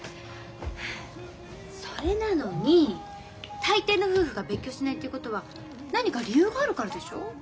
それなのにたいていの夫婦が別居しないっていうことは何か理由があるからでしょ？